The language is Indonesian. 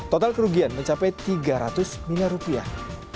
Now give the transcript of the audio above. total kerugian mencapai tiga ratus miliar rupiah